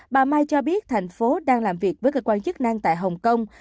bà mai cho biết thành phố đang làm việc với cơ quan chức năng tại hồng kông